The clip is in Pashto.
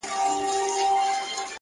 خود دي خالـونه پــه واوښتــل.!